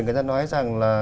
người ta nói rằng là